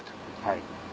はい。